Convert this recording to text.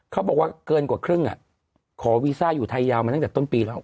เขาบอกว่าเกินกว่าครึ่งขอวีซ่าอยู่ไทยยาวมาตั้งแต่ต้นปีแล้ว